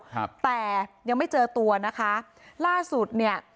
ครับแต่ยังไม่เจอตัวนะคะล่าสุดเนี่ย